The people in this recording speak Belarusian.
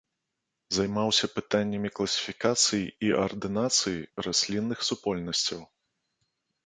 Займаўся пытаннямі класіфікацыі і ардынацыі раслінных супольнасцяў.